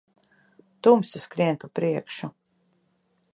Tumsa skrien pa priekšu.